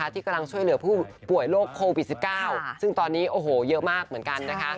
ที่กำลังช่วยเหลือผู้ป่วยโรคโควิด๑๙ซึ่งตอนนี้โอ้โหเยอะมากเหมือนกันนะคะ